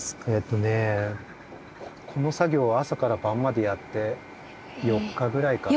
ねこの作業を朝から晩までやって４日ぐらいかな。